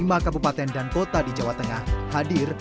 bahkan di sisi sumber